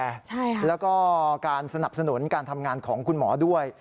ใช่ค่ะแล้วก็การสนับสนุนการทำงานของคุณหมอด้วย